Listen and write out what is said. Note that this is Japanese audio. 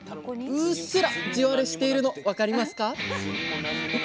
うっすら地割れしているの分かりますか？